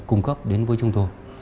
cung cấp đến với chúng tôi